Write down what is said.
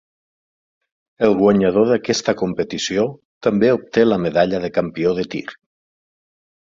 El guanyador d'aquesta competició també obté la medalla de campió de tir.